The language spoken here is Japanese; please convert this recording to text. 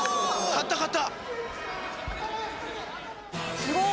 勝った勝った！